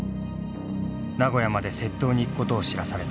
名古屋まで窃盗に行くことを知らされた。